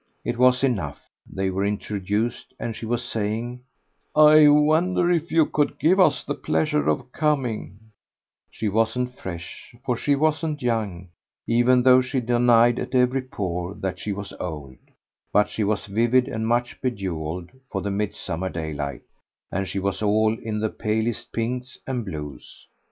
It was enough they were introduced, and she was saying "I wonder if you could give us the pleasure of coming " She wasn't fresh, for she wasn't young, even though she denied at every pore that she was old; but she was vivid and much bejewelled for the midsummer daylight; and she was all in the palest pinks and blues.